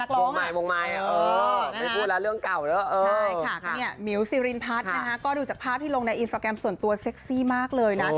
ตั้งแต่โสดคือเซโกรย์อีก